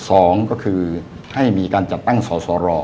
สองก็คือให้มีการจัดตั้งสอสร